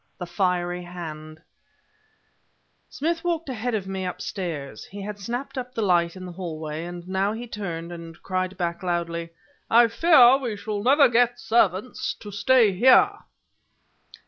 THE FIERY HAND Smith walked ahead of me upstairs; he had snapped up the light in the hallway, and now he turned and cried back loudly: "I fear we should never get servants to stay here."